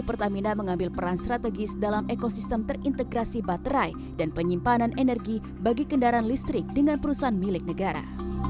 pertamina mengambil peran strategis dalam ekosistem terintegrasi baterai dan penyimpanan energi bagi kendaraan listrik dengan perusahaan milik negara